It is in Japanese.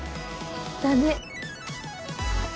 だね。